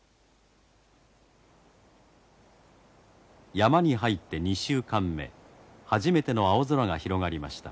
山に入って２週間目初めての青空が広がりました。